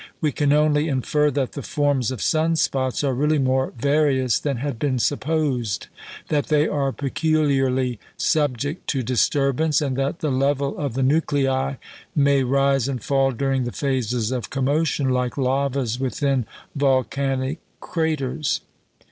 We can only infer that the forms of sun spots are really more various than had been supposed; that they are peculiarly subject to disturbance; and that the level of the nuclei may rise and fall during the phases of commotion, like lavas within volcanic craters.